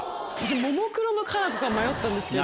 ももクロの夏菜子か迷ったんですけど。